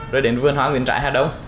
rồi đến vườn hóa nguyễn trãi hà đông